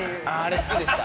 何か好きでした。